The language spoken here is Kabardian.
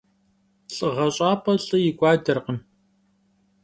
Lh'ığe ş'ap'e lh'ı yik'uaderkhım.